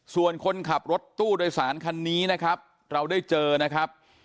ส่วนคนขับรถตู้โดยสารคันนี้นะครับเราได้เจอนะครับ